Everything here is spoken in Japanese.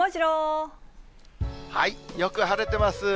よく晴れてます。